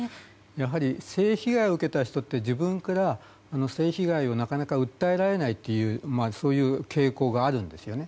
やはり性被害を受けた人って自分から性被害をなかなか訴えられないというそういう傾向があるんですよね。